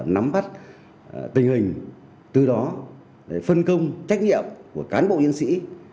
nắm bắt tình hình từ đó phân công trách nhiệm của cán bộ chiến sĩ